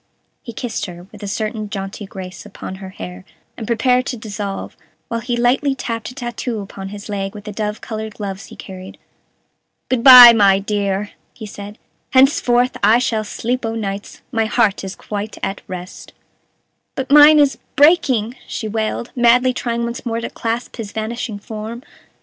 He kissed her, with a certain jaunty grace, upon her hair, and prepared to dissolve, while he lightly tapped a tattoo upon his leg with the dove colored gloves he carried. "Good by, my dear!" he said; "henceforth I shall sleep o' nights; my heart is quite at rest." "But mine is breaking," she wailed, madly trying once more to clasp his vanishing form.